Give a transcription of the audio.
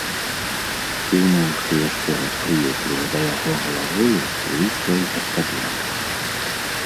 Кіўнуўшы яшчэ раз прыветліва да яго галавою, выйшла і гаспадыня.